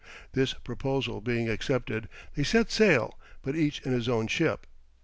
This proposal being accepted, they set sail, but each in his own ship.